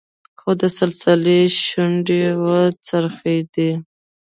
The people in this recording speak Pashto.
خو د سلسلې شونډې وځړېدې.